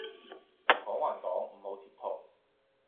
講還講唔好貼圖